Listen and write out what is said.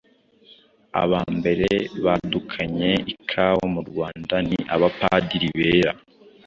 Aba mbere badukanye ikawa mu Rwanda ni Abapadiri bera.